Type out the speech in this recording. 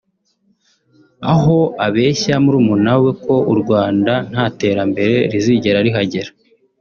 aho abeshya murumuna we ko u Rwanda nta terambere rizigera rihagera